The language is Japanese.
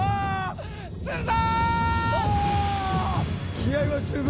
気合は十分。